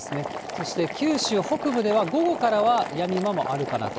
そして九州北部では、午後からはやみ間もあるかなと。